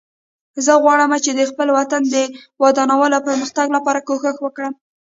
زه غواړم چې د خپل وطن د ودانولو او پرمختګ لپاره کوښښ وکړم